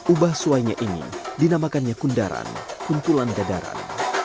ubah suainya ini dinamakannya kundaran kuntulan dadaran